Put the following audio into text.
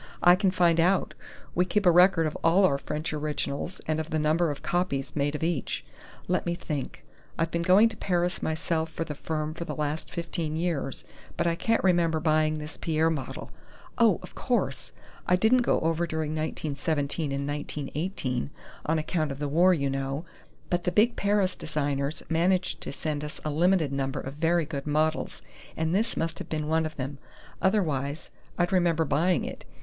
"I can find out. We keep a record of all our French originals and of the number of copies made of each.... Let me think! I've been going to Paris myself for the firm for the last fifteen years, but I can't remember buying this Pierre model.... Oh, of course! I didn't go over during 1917 and 1918, on account of the war, you know, but the big Paris designers managed to send us a limited number of very good models, and this must have been one of them. Otherwise, I'd remember buying it....